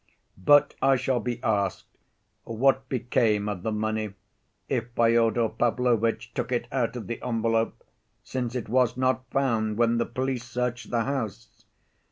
"But I shall be asked what became of the money if Fyodor Pavlovitch took it out of the envelope since it was not found when the police searched the house?